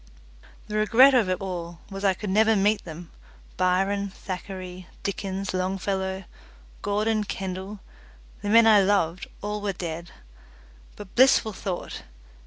The regret of it all was I could never meet them Byron, Thackeray, Dickens, Longfellow, Gordon, Kendall, the men I loved, all were dead; but, blissful thought!